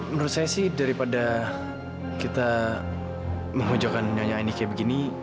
menurut saya sih daripada kita memujakan nyonya ini kayak begini